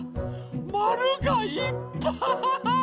まるがいっぱい。